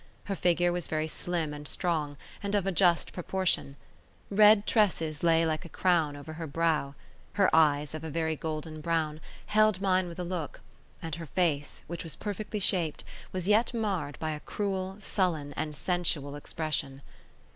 Her figure was very slim and strong, and of a just proportion; red tresses lay like a crown over her brow; her eyes, of a very golden brown, held mine with a look; and her face, which was perfectly shaped, was yet marred by a cruel, sullen, and sensual expression.